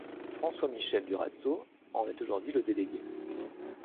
François-Michel Durazzo en est aujourd'hui le délégué.